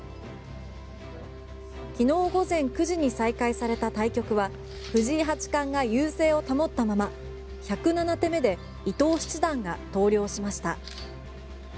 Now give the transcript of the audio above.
きのう午前９時に再開された対局は藤井八冠が優勢を保ったまま１０７手目で伊藤七段が投了しました。